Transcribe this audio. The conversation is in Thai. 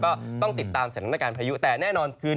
ก็ต้องติดตามสถานการณ์พายุแต่แน่นอนคือ